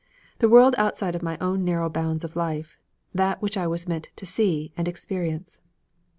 The world outside my own narrow bounds of life that was what I meant to see and experience.